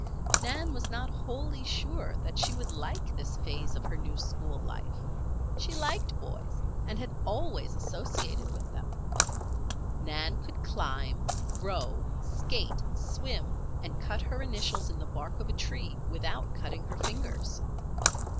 Nan was not wholly sure that she would like this phase of her new school life. She liked boys and had always associated with them. Nan could climb, row, skate, swim, and cut her initials in the bark of a tree without cutting her fingers.